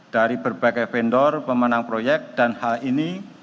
dari berbagai vendor pemenang proyek dan hal ini